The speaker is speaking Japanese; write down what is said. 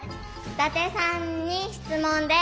伊達さんに質問です。